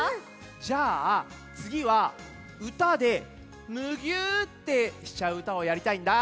じゃあつぎはうたでムギューってしちゃううたをやりたいんだ。